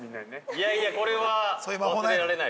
◆いやいや、これは忘れられない。